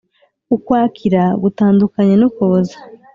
Ukwakira gutandukanye n’ukuboza.